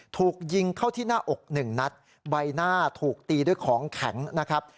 ถูกยิงเข้าที่หน้าอกหนึ่งนัดใบหน้าถูกตีด้วยของแข็งนะครับ